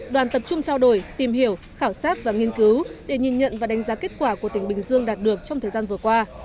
đoàn tập trung trao đổi tìm hiểu khảo sát và nghiên cứu để nhìn nhận và đánh giá kết quả của tỉnh bình dương đạt được trong thời gian vừa qua